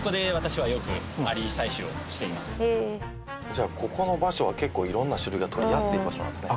「じゃあここの場所は結構いろんな種類が採りやすい場所なんですね」